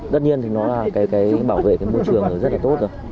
tất nhiên nó bảo vệ môi trường rất là tốt